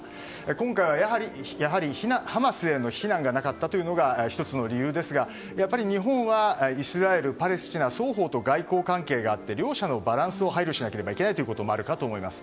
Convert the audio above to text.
今回は、やはりハマスへの非難がなかったというのが１つの理由ですがやっぱり日本はイスラエル、パレスチナ双方と外交関係があって両者のバランスを配慮しなければいけないということもあるかと思います。